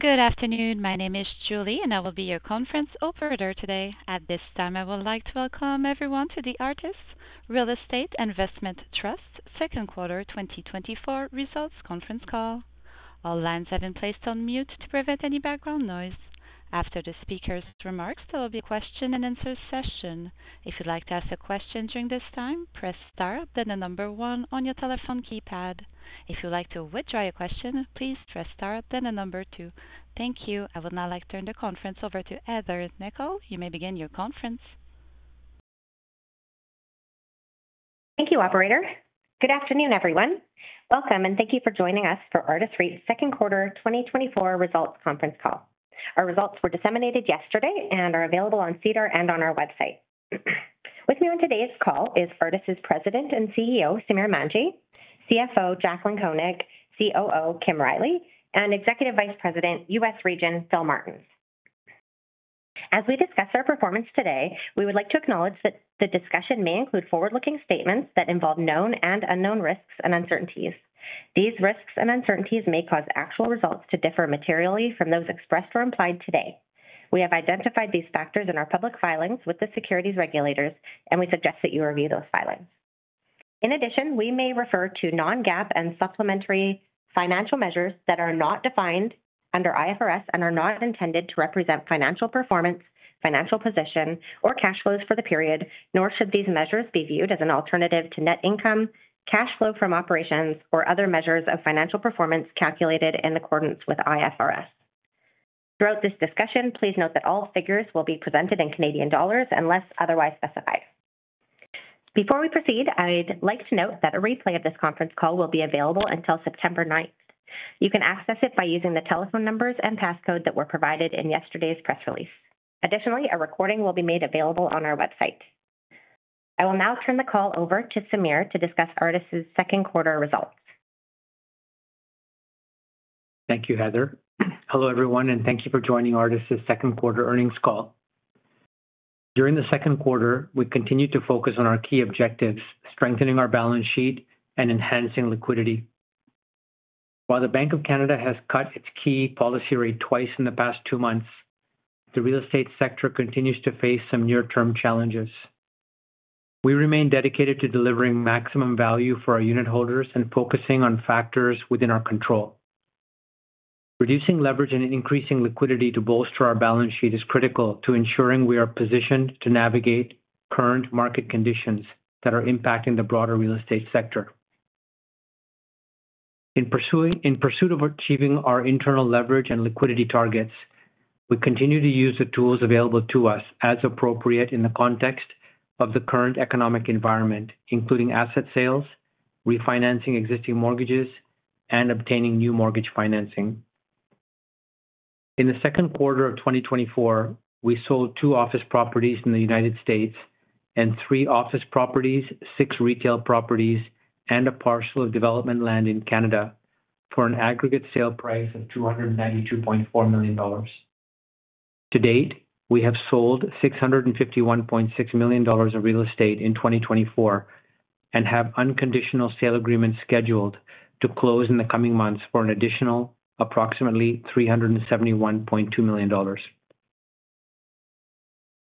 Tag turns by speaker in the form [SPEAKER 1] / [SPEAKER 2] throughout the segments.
[SPEAKER 1] Good afternoon. My name is Julie, and I will be your conference operator today. At this time, I would like to welcome everyone to the Artis Real Estate Investment Trust second quarter 2024 results conference call. All lines have been placed on mute to prevent any background noise. After the speaker's remarks, there will be a question and answer session. If you'd like to ask a question during this time, press star, then one on your telephone keypad. If you'd like to withdraw your question, please press star, then two. Thank you. I would now like to turn the conference over to Heather Nikkel. You may begin your conference.
[SPEAKER 2] Thank you, operator. Good afternoon, everyone. Welcome, and thank you for joining us for Artis REIT second quarter 2024 results conference call. Our results were disseminated yesterday and are available on SEDAR and on our website. With me on today's call is Artis's President and CEO, Samir Manji; CFO, Jaclyn Koenig; COO, Kim Riley; and Executive Vice President, U.S. Region, Phil Martens. As we discuss our performance today, we would like to acknowledge that the discussion may include forward-looking statements that involve known and unknown risks and uncertainties. These risks and uncertainties may cause actual results to differ materially from those expressed or implied today. We have identified these factors in our public filings with the securities regulators, and we suggest that you review those filings. In addition, we may refer to non-GAAP and supplementary financial measures that are not defined under IFRS and are not intended to represent financial performance, financial position, or cash flows for the period, nor should these measures be viewed as an alternative to net income, cash flow from operations, or other measures of financial performance calculated in accordance with IFRS. Throughout this discussion, please note that all figures will be presented in Canadian dollars unless otherwise specified. Before we proceed, I'd like to note that a replay of this conference call will be available until September ninth. You can access it by using the telephone numbers and passcode that were provided in yesterday's press release. Additionally, a recording will be made available on our website. I will now turn the call over to Samir to discuss Artis's second quarter results.
[SPEAKER 3] Thank you, Heather. Hello, everyone, and thank you for joining Artis's second quarter earnings call. During the second quarter, we continued to focus on our key objectives, strengthening our balance sheet and enhancing liquidity. While the Bank of Canada has cut its key policy rate twice in the past two months, the real estate sector continues to face some near-term challenges. We remain dedicated to delivering maximum value for our unitholders and focusing on factors within our control. Reducing leverage and increasing liquidity to bolster our balance sheet is critical to ensuring we are positioned to navigate current market conditions that are impacting the broader real estate sector. In pursuit of achieving our internal leverage and liquidity targets, we continue to use the tools available to us as appropriate in the context of the current economic environment, including asset sales, refinancing existing mortgages, and obtaining new mortgage financing. In the second quarter of 2024, we sold two office properties in the United States and three office properties, six retail properties, and a parcel of development land in Canada for an aggregate sale price of 292.4 million dollars. To date, we have sold 651.6 million dollars of real estate in 2024 and have unconditional sale agreements scheduled to close in the coming months for an additional approximately 371.2 million dollars.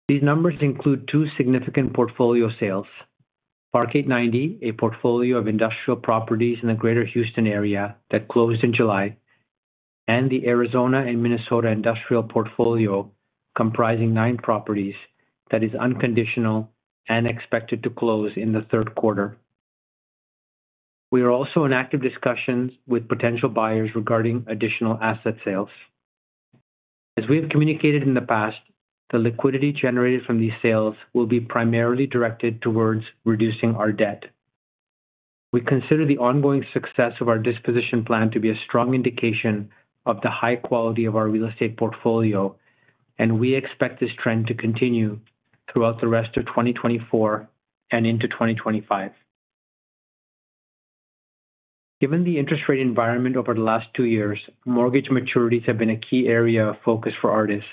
[SPEAKER 3] These numbers include two significant portfolio sales: Park 8Ninety, a portfolio of industrial properties in the Greater Houston area that closed in July, and the Arizona and Minnesota industrial portfolio, comprising nine properties, that is unconditional and expected to close in the third quarter. We are also in active discussions with potential buyers regarding additional asset sales. As we have communicated in the past, the liquidity generated from these sales will be primarily directed towards reducing our debt. We consider the ongoing success of our disposition plan to be a strong indication of the high quality of our real estate portfolio, and we expect this trend to continue throughout the rest of 2024 and into 2025. Given the interest rate environment over the last two years, mortgage maturities have been a key area of focus for Artis.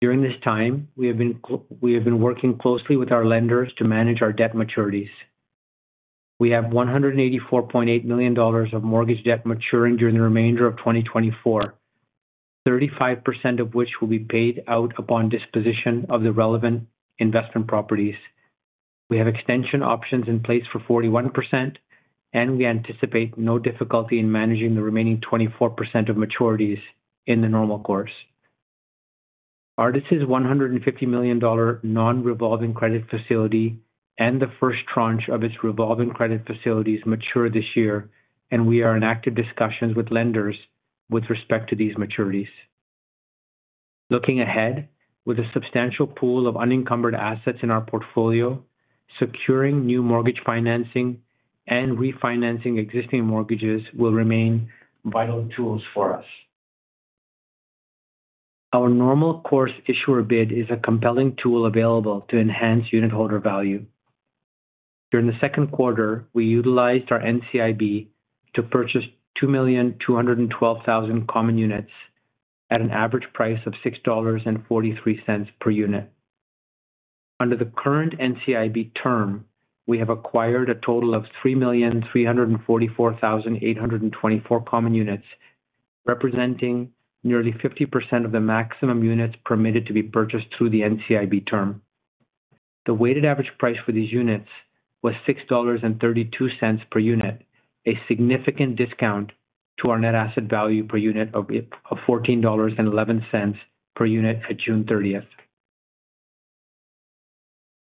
[SPEAKER 3] During this time, we have been working closely with our lenders to manage our debt maturities. We have 184.8 million dollars of mortgage debt maturing during the remainder of 2024, 35% of which will be paid out upon disposition of the relevant investment properties. We have extension options in place for 41%, and we anticipate no difficulty in managing the remaining 24% of maturities in the normal course. Artis's 150 million dollar non-revolving credit facility and the first tranche of its revolving credit facilities mature this year, and we are in active discussions with lenders with respect to these maturities. Looking ahead, with a substantial pool of unencumbered assets in our portfolio, securing new mortgage financing and refinancing existing mortgages will remain vital tools for us. Our normal course issuer bid is a compelling tool available to enhance unitholder value. During the second quarter, we utilized our NCIB to purchase 2,212,000 common units at an average price of 6.43 dollars per unit.... Under the current NCIB term, we have acquired a total of 3,344,824 common units, representing nearly 50% of the maximum units permitted to be purchased through the NCIB term. The weighted average price for these units was 6.32 dollars per unit, a significant discount to our net asset value per unit of fourteen dollars and eleven cents per unit at June 30th.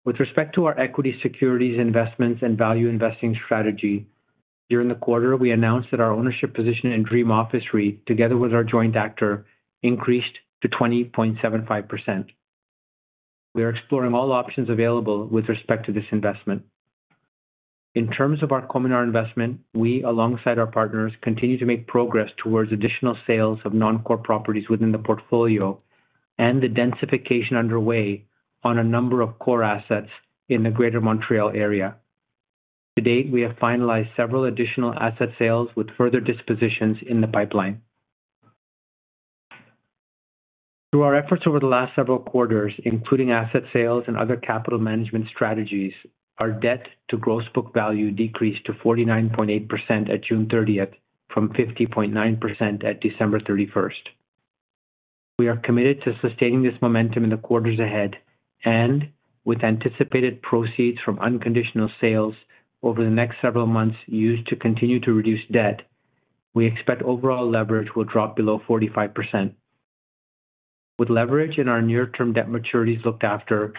[SPEAKER 3] With respect to our equity securities investments and value investing strategy, during the quarter, we announced that our ownership position in Dream Office REIT, together with our joint actor, increased to 20.75%. We are exploring all options available with respect to this investment. In terms of our Cominar investment, we, alongside our partners, continue to make progress towards additional sales of non-core properties within the portfolio and the densification underway on a number of core assets in the Greater Montreal area. To date, we have finalized several additional asset sales with further dispositions in the pipeline. Through our efforts over the last several quarters, including asset sales and other capital management strategies, our Debt to Gross Book Value decreased to 49.8% at June thirtieth, from 50.9% at December thirty-first. We are committed to sustaining this momentum in the quarters ahead, and with anticipated proceeds from unconditional sales over the next several months used to continue to reduce debt, we expect overall leverage will drop below 45%. With leverage in our near-term debt maturities looked after,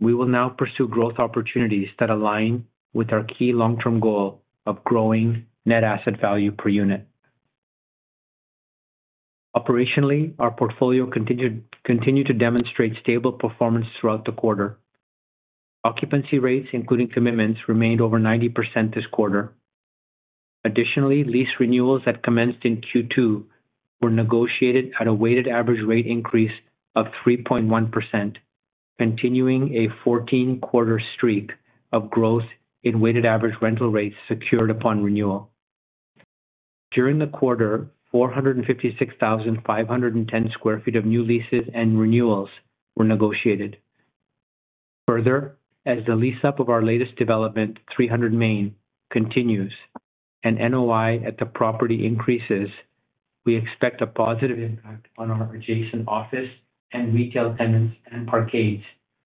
[SPEAKER 3] we will now pursue growth opportunities that align with our key long-term goal of growing net asset value per unit. Operationally, our portfolio continued to demonstrate stable performance throughout the quarter. Occupancy rates, including commitments, remained over 90% this quarter. Additionally, lease renewals that commenced in Q2 were negotiated at a weighted average rate increase of 3.1%, continuing a 14-quarter streak of growth in weighted average rental rates secured upon renewal. During the quarter, 456,510 sq ft of new leases and renewals were negotiated. Further, as the lease-up of our latest development, 300 Main, continues and NOI at the property increases, we expect a positive impact on our adjacent office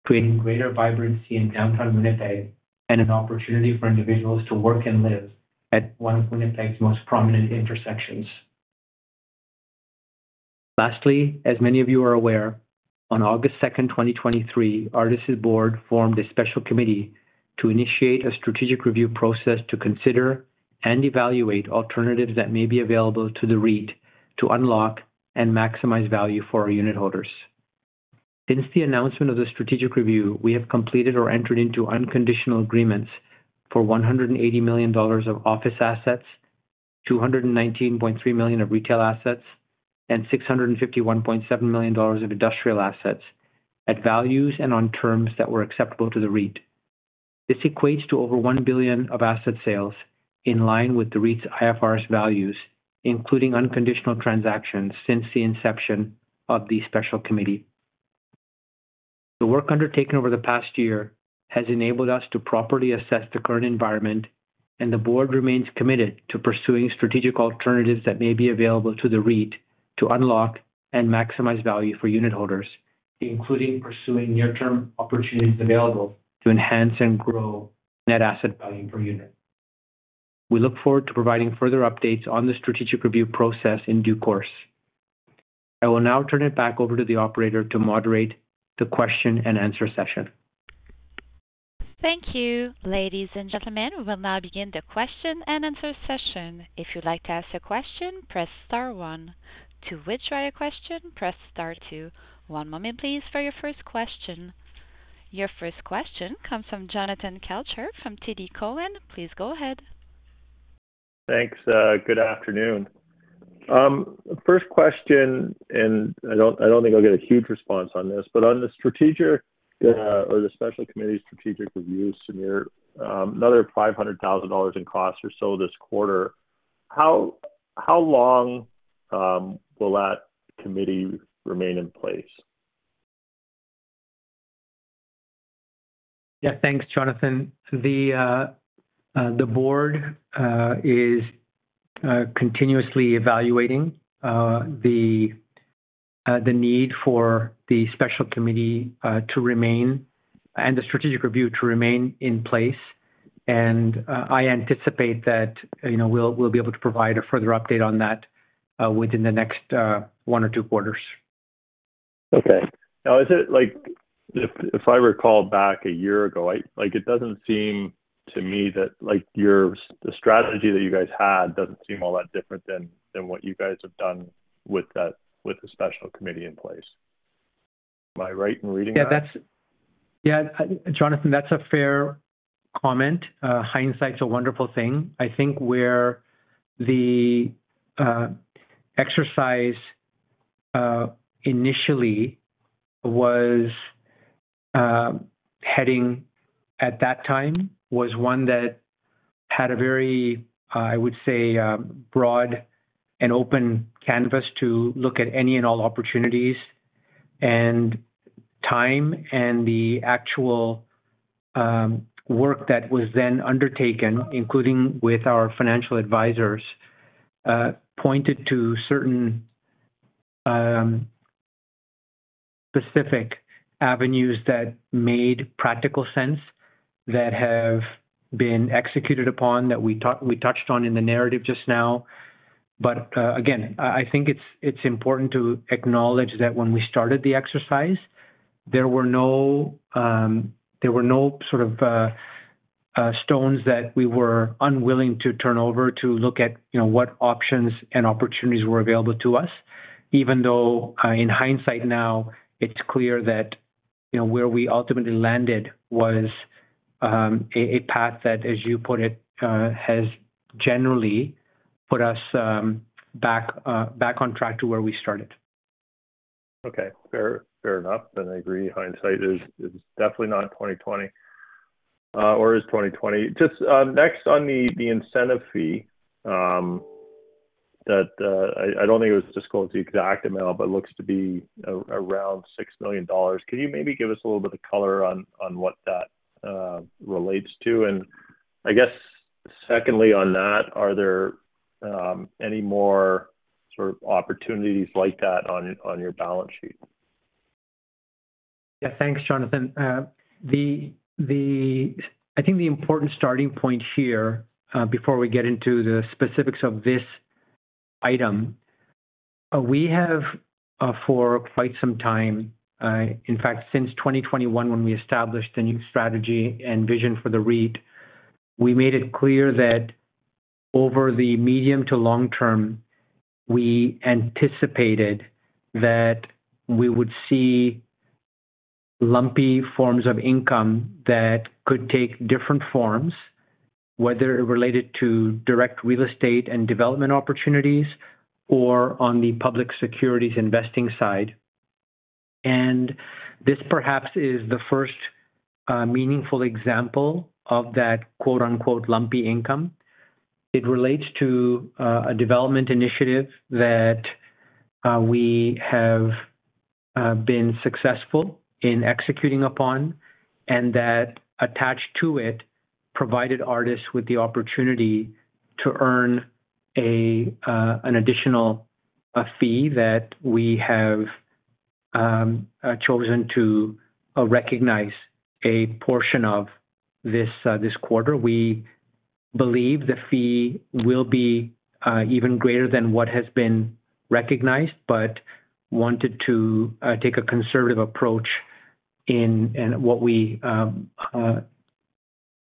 [SPEAKER 3] and retail tenants and parkades, creating greater vibrancy in downtown Winnipeg and an opportunity for individuals to work and live at one of Winnipeg's most prominent intersections. Lastly, as many of you are aware, on August 2, 2023, Artis' board formed a special committee to initiate a strategic review process to consider and evaluate alternatives that may be available to the REIT to unlock and maximize value for our unitholders. Since the announcement of the strategic review, we have completed or entered into unconditional agreements for 180 million dollars of office assets, 219.3 million of retail assets, and 651.7 million dollars of industrial assets at values and on terms that were acceptable to the REIT. This equates to over 1 billion of asset sales in line with the REIT's IFRS values, including unconditional transactions since the inception of the special committee. The work undertaken over the past year has enabled us to properly assess the current environment, and the board remains committed to pursuing strategic alternatives that may be available to the REIT to unlock and maximize value for unitholders, including pursuing near-term opportunities available to enhance and grow net asset value per unit. We look forward to providing further updates on the strategic review process in due course. I will now turn it back over to the operator to moderate the question and answer session.
[SPEAKER 1] Thank you. Ladies and gentlemen, we will now begin the question and answer session. If you'd like to ask a question, press star one. To withdraw your question, press star two. One moment, please, for your first question. Your first question comes from Jonathan Kelcher from TD Cowen. Please go ahead.
[SPEAKER 4] Thanks, good afternoon. First question, and I don't, I don't think I'll get a huge response on this, but on the strategic, or the special committee strategic review, Samir, another 500,000 dollars in costs or so this quarter. How long will that committee remain in place?
[SPEAKER 3] Yeah, thanks, Jonathan. The board is continuously evaluating the need for the special committee to remain and the strategic review to remain in place. I anticipate that, you know, we'll be able to provide a further update on that within the next one or two quarters.
[SPEAKER 4] Okay. Now, is it like... If I recall back a year ago, like, it doesn't seem to me that, like, your the strategy that you guys had doesn't seem all that different than what you guys have done with that, with the special committee in place. Am I right in reading that?
[SPEAKER 3] Yeah, that's, yeah, Jonathan, that's a fair comment. Hindsight's a wonderful thing. I think where the exercise initially was heading at that time was one that had a very, I would say, broad and open canvas to look at any and all opportunities, and time, and the actual work that was then undertaken, including with our financial advisors, pointed to certain specific avenues that made practical sense, that have been executed upon, that we touched on in the narrative just now. But, again, I think it's important to acknowledge that when we started the exercise, there were no sort of stones that we were unwilling to turn over to look at, you know, what options and opportunities were available to us. Even though, in hindsight now, it's clear that, you know, where we ultimately landed was a path that, as you put it, has generally put us back on track to where we started.
[SPEAKER 4] Okay. Fair, fair enough, and I agree, hindsight is definitely not 20/20. Or is 20/20? Just next on the incentive fee, that I don't think it was disclosed the exact amount, but looks to be around 6 million dollars. Can you maybe give us a little bit of color on what that relates to? And I guess secondly on that, are there any more sort of opportunities like that on your balance sheet?
[SPEAKER 3] Yeah, thanks, Jonathan. The important starting point here, before we get into the specifics of this item, we have, for quite some time, in fact, since 2021, when we established the new strategy and vision for the REIT, we made it clear that over the medium to long term, we anticipated that we would see lumpy forms of income that could take different forms, whether related to direct real estate and development opportunities, or on the public securities investing side. This perhaps is the first meaningful example of that, quote unquote, "lumpy income." It relates to a development initiative that we have been successful in executing upon, and that attached to it, provided Artis with the opportunity to earn an additional fee that we have chosen to recognize a portion of this quarter. We believe the fee will be even greater than what has been recognized, but wanted to take a conservative approach in and what we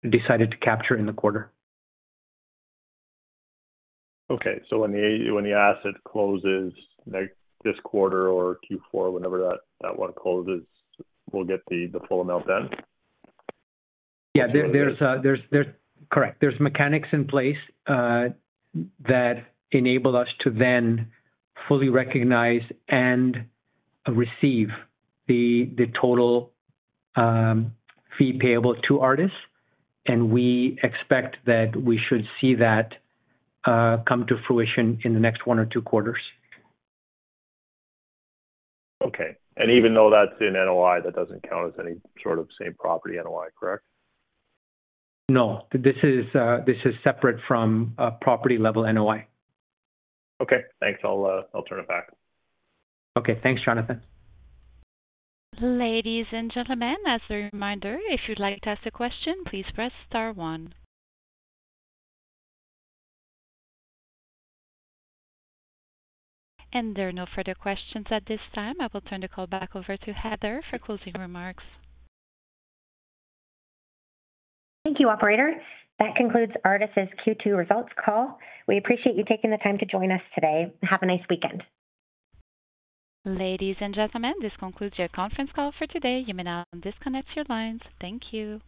[SPEAKER 3] decided to capture in the quarter.
[SPEAKER 4] Okay, so when the asset closes, like this quarter or Q4, whenever that one closes, we'll get the full amount then?
[SPEAKER 3] Yeah, there's. Correct. There's mechanics in place that enable us to then fully recognize and receive the total fee payable to Artis, and we expect that we should see that come to fruition in the next one or two quarters.
[SPEAKER 4] Okay. Even though that's in NOI, that doesn't count as any sort of same property NOI, correct?
[SPEAKER 3] No. This is, this is separate from, property-level NOI.
[SPEAKER 4] Okay, thanks. I'll, I'll turn it back.
[SPEAKER 3] Okay. Thanks, Jonathan.
[SPEAKER 1] Ladies and gentlemen, as a reminder, if you'd like to ask a question, please press star one. There are no further questions at this time. I will turn the call back over to Heather for closing remarks.
[SPEAKER 2] Thank you, operator. That concludes Artis' Q2 results call. We appreciate you taking the time to join us today. Have a nice weekend.
[SPEAKER 1] Ladies and gentlemen, this concludes your conference call for today. You may now disconnect your lines. Thank you.